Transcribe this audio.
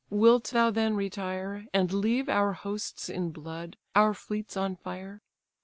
wilt thou then retire, And leave our hosts in blood, our fleets on fire?